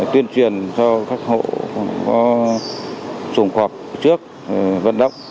tuyên truyền cho các hộ có trùng khọp trước vận động